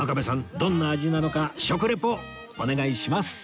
どんな味なのか食リポお願いします